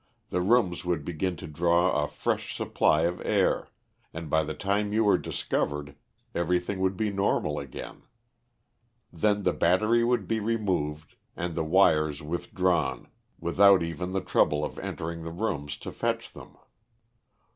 the rooms would begin to draw a fresh supply of air, and by the time you were discovered everything would be normal again. Then the battery would be removed and the wires withdrawn without even the trouble of entering the rooms to fetch them.